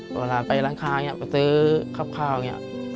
เวลาไปร้านค้าอย่างนี้ไปซื้อคร่าวอย่างนี้